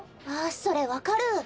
あそれ分かる。